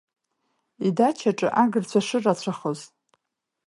Идачаҿы агырцәа шырацәахоз.